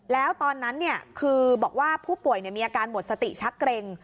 แล้วตอนนั้นคือบอกว่าผู้ป่วยมีอาการหมดสติชักเกร็ง